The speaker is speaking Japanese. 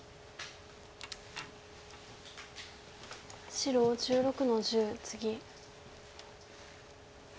白１６の十ツギ。